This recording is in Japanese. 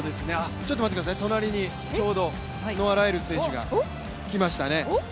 ちょっと待ってください、隣にちょうどノア・ライルズ選手が来ましたね。